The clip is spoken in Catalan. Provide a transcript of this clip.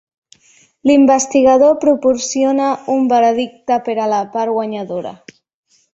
L'investigador proporcionarà un veredicte per a la part guanyadora.